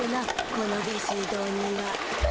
この下水道には。